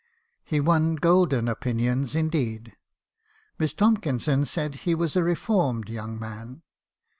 He won golden opinions indeed. Miss Tomkinson said he was a reformed young man.